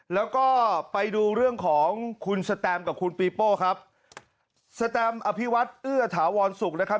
แล้วก็ไปดูเรื่องของคุณสแตมกับคุณปีโป้ครับสแตมอภิวัตเอื้อถาวรสุขนะครับ